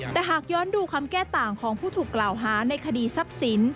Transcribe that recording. แต่หากย้อนดูคำแก้ต่างของผู้ถูกกล่าวหาในคดีทรัพย์สิน